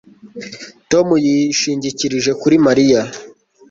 tom yishingikirije kuri mariya